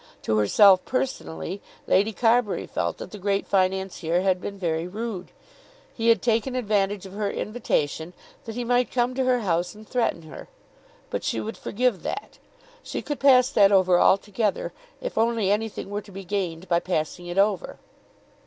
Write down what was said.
To herself personally, Lady Carbury felt that the great financier had been very rude. He had taken advantage of her invitation that he might come to her house and threaten her. But she would forgive that. She could pass that over altogether if only anything were to be gained by passing it over.